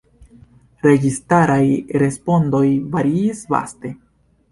Registaraj respondoj variis vaste.